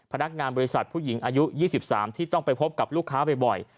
พนักงานบริษัทผู้หญิงอายุ๒๓ที่ต้องไปพบกับลูกค้าบ่อย